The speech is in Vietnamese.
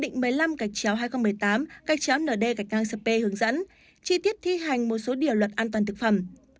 nghị định một mươi năm hai nghìn một mươi tám nd cp hướng dẫn chi tiết thi hành một số điều luật an toàn thực phẩm